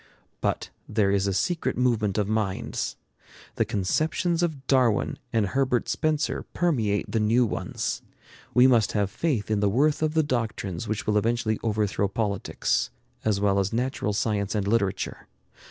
But there is a secret movement of minds. The conceptions of Darwin and Herbert Spencer permeate the new ones. We must have faith in the worth of the doctrines which will eventually overthrow politics, as well as natural science and literature.